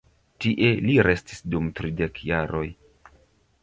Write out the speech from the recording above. Tie, li restis dum tridek jaroj.